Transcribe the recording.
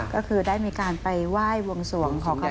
ก็คือได้มีการไปไหว้วงสวง